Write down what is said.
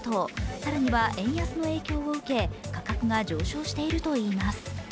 更には円安の影響を受け価格が上昇しているといいます。